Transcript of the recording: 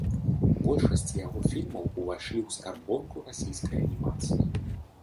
Большасць яго фільмаў увайшлі ў скарбонку расійскай анімацыі.